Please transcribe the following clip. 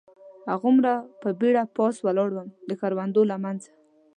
هغومره په بېړه پاس ولاړم، د کروندو له منځه.